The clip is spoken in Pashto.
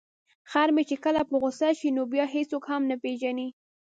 خر مې چې کله په غوسه شي نو بیا هیڅوک هم نه پيژني.